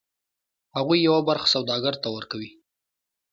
هغوی یوه برخه سوداګر ته ورکوي